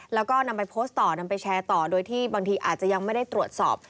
แล้วก็นำไปโพสต์ต่อนำไปแชร์ต่อโดยที่บางทีอาจจะยังไม่ได้ตรวจสอบ